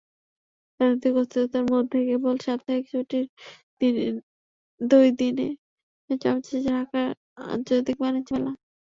রাজনৈতিক অস্থিরতার মধ্যে কেবল সাপ্তাহিক ছুটির দুই দিনেই জমছে ঢাকা আন্তর্জাতিক বাণিজ্য মেলা।